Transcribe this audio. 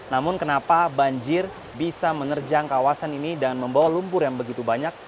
namun kenapa banjir bisa menerjang kawasan ini dan membawa lumpur yang begitu banyak